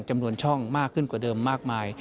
จำนวนช่องมากขึ้นกว่าเดิมมากมาย